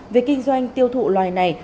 về kinh doanh tiêu thụ loài này